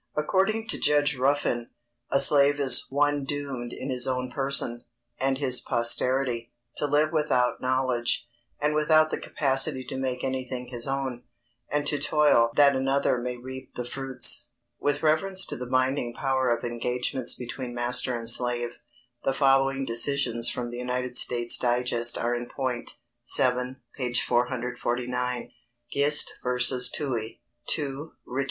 ] According to Judge Ruffin, a slave is "one doomed in his own person, and his posterity, to live without knowledge, and without the capacity to make anything his own, and to toil that another may reap the fruits." With reference to the binding power of engagements between master and slave, the following decisions from the United States Digest are in point (7, p. 449): [Sidenote: Gist v. Toohey, 2 Rich.